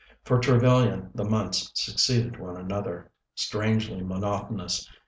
For Trevellyan the months succeeded one another, strangely monotonous.